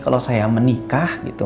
kalau saya menikah gitu